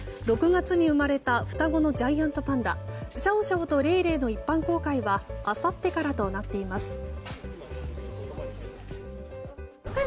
６月に生まれた双子のジャイアントパンダシャオシャオとレイレイの一般公開はあさってからとなっています。